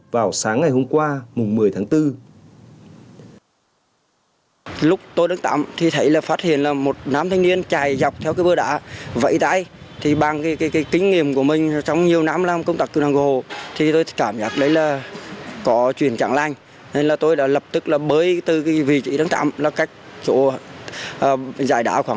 vào sáng ngày hôm qua mùng một mươi tháng bốn